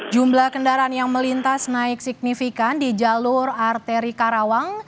jumlah kendaraan yang melintas naik signifikan di jalur arteri karawang